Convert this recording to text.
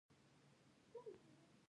د ځوانانو هیله په راتلونکي څه ده؟